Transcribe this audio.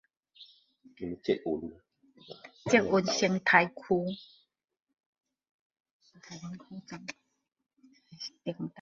捷運生態園區站